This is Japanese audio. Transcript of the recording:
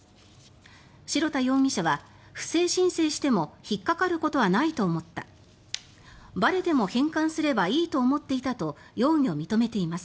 白田容疑者は不正申請しても引っかかることはないと思ったばれても返還すればいいと思っていたと容疑を認めています。